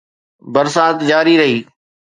برسات جاري رهي